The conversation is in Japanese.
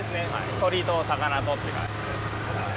鳥と魚とって感じです。